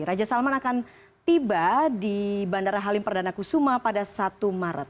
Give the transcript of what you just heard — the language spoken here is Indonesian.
raja salman akan tiba di bandara halim perdana kusuma pada satu maret